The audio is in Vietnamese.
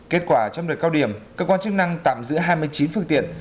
kết quả trong đợt cao điểm cơ quan chức năng tạm giữ hai mươi chín phương tiện